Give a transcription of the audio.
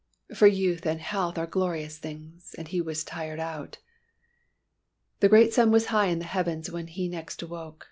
For youth and health are glorious things. And he was tired out. The great sun was high in the heavens when next he awoke.